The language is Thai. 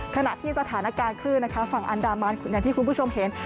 ขณะที่สถานการณ์คลื่นนะคะฝั่งอันดามันอย่างที่คุณผู้ชมเห็น